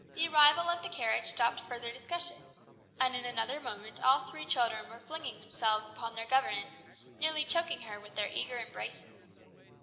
The arrival of the carriage stopped further discussion, and in another moment all three children were flinging themselves upon their governess, nearly choking her with their eager embraces.